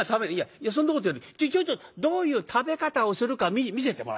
「いやそんなことよりちょいとどういう食べ方をするか見せてもらいたい。